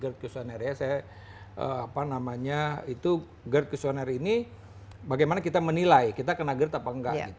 saya apa namanya itu gerd questionnaire ini bagaimana kita menilai kita kena gerd apa enggak